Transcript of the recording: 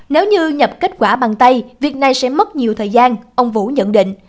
nếu như nhập kết quả bằng tay việc này sẽ mất nhiều thời gian ông vũ nhận định